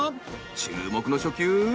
注目の初球。